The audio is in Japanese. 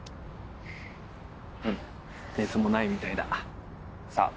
うん熱もないみたいださあ